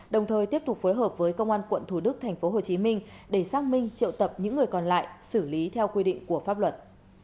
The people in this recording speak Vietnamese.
đồng thời tiếp tục phối hợp với công an quận thủ đức tp hcm để xác minh triệu tập những người còn lại xử lý theo quy định của pháp luật